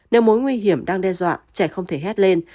nếu mối nguy hiểm đang đe dọa trẻ không thể hét lên